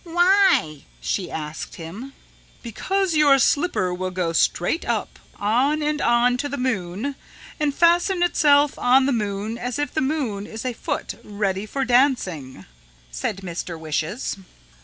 "Why?" she asked him. "Because your slipper will go straight up, on and on to the moon, and fasten itself on the moon as if the moon is a foot ready for dancing," said Mr. Wishes.